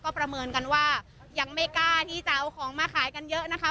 ประเมินกันว่ายังไม่กล้าที่จะเอาของมาขายกันเยอะนะคะ